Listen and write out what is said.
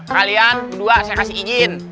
kalian berdua saya kasih izin